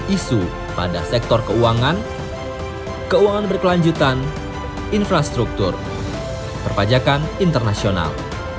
isu pada sektor keuangan keuangan berkelanjutan infrastruktur perpajakan internasional